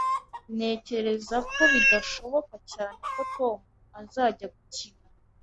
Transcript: Ntekereza ko bidashoboka cyane ko Tom azajya gukina